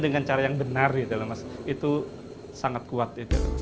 dengan cara yang benar itu sangat kuat